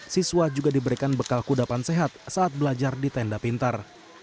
siswa juga diberikan bekal kudapan sehat saat belajar di tenda pintar